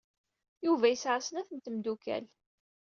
Yuba yesɛa snat n tmeddukal.